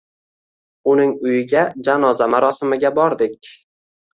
Uning uyiga janoza marosimiga bordik